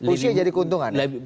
usia jadi keuntungan ya